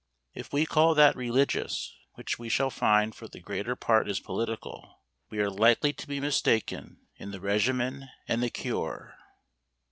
If we call that religious which we shall find for the greater part is political, we are likely to be mistaken in the regimen and the cure.